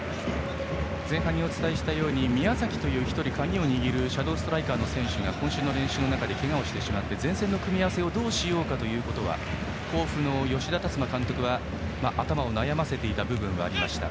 前半にお伝えしたように宮崎という鍵を握るシャドーストライカーの選手がけがをしてしまって前線の組み合わせをどうしようかというところは甲府の吉田達磨監督は頭を悩ませていた部分はありました。